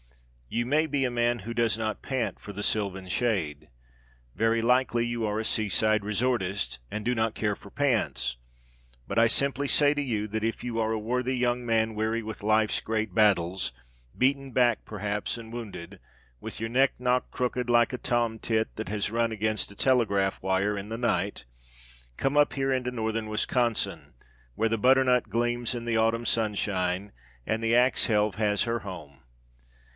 You may be a man who does not pant for the sylvan shade. Very likely you are a seaside resortist and do not care for pants, but I simply say to you that if you are a worthy young man weary with life's great battles beaten back, perhaps, and wounded with your neck knocked crooked like a tom tit that has run against a telegraph wire in the night, come up here into northern Wisconsin, where the butternut gleams in the autumn sunshine and the ax helve has her home.